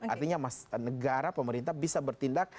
artinya negara pemerintah bisa bertindak